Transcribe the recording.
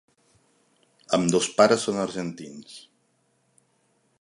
Ambdós pares són argentins.